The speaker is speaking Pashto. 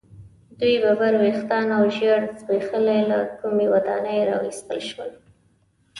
دوی ببر ویښتان او ژیړ زبیښلي له کومې ودانۍ را ویستل شول.